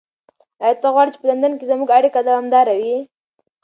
ایا ته غواړې چې په لندن کې زموږ اړیکه دوامداره وي؟